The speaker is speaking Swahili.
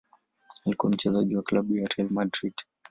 Alikuwa mchezaji wa klabu ya Real Madrid.